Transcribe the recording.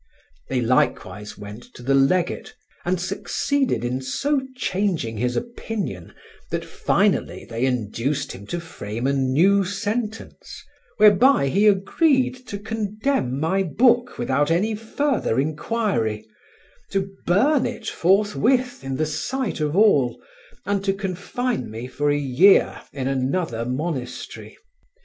They likewise went to the legate, and succeeded in so changing his opinion that finally they induced him to frame a new sentence, whereby he agreed to condemn my book without any further inquiry, to burn it forthwith in the sight of all, and to confine me for a year in another monastery.